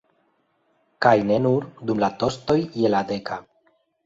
Kaj ne nur dum la tostoj je la deka.